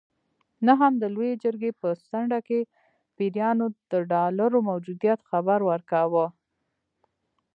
نه هم د لویې جرګې په څنډه کې پیریانو د ډالرو موجودیت خبر ورکاوه.